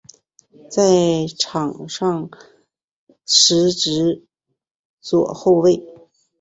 在场上司职左后卫。